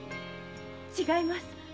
違います。